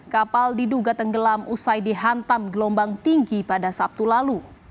kapal diduga tenggelam usai dihantam gelombang tinggi pada sabtu lalu